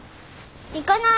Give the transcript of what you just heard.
行かない！